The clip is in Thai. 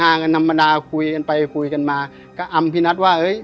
ให้ฮ่านางนับมันทย์คุยกันไปคุยกันมาก็อำพี่นัทว่าเอ๊ย